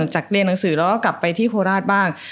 จากเรียนหนังสือแล้วก็กลับไปที่โคราชบ้าง